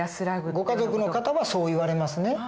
ご家族の方はそう言われますね。